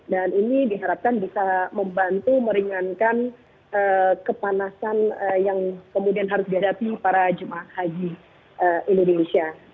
dan ini diharapkan bisa membantu meringankan kepanasan yang kemudian harus dihadapi para jemaah haji indonesia